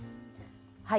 はい。